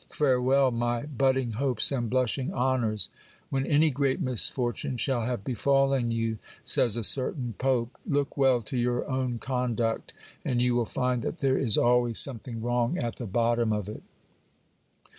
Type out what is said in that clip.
Farewell my budding hopes and blushing honours ! When any great misfortune shall have befallen vou, savs a certain pope, look well to your own conduct, and you will find that there is always some t ling wrong at the bottom of it.